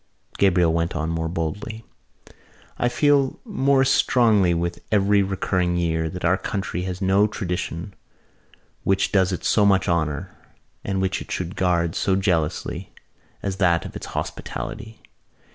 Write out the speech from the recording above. Gabriel went on more boldly: "I feel more strongly with every recurring year that our country has no tradition which does it so much honour and which it should guard so jealously as that of its hospitality.